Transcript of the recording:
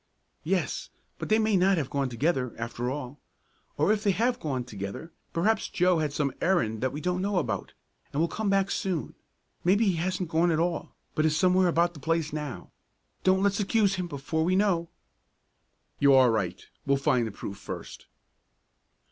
"Yes; but they may not have gone together, after all. Or if they have gone together, perhaps Joe had some errand that we don't know about, and will come back soon. Maybe he hasn't gone at all, but is somewhere about the place now. Don't let's accuse him before we know!" "You are right; we'll find the proof first."